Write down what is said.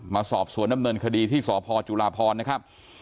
มาสอบสวนดำเนินคดีที่สพจุลาพรนะครับ